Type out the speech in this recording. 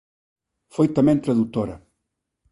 Foi tamén tradutora.